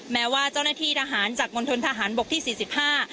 แม้ว่าเจ้าหน้าที่ทหารจากมณฑนทหารบกที่สี่สิบห้า